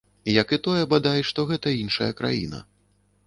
Як і тое, бадай, што гэта іншая краіна.